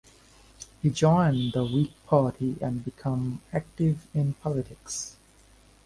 He joined the Whig Party and became active in politics.